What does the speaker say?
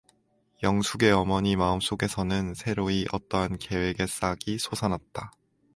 영숙의 어머니 마음속에서는 새로이 어떠한 계획의 싹이 솟아났다.